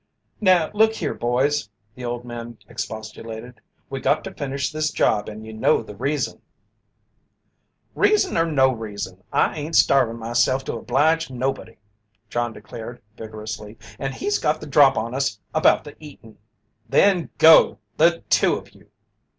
"Now, look here, boys!" the old man expostulated. "We got to finish this job and you know the reason." "Reason or no reason, I ain't starvin' myself to oblige nobody," John declared, vigorously, "and he's got the drop on us about the eatin'." "Then go the two of you!"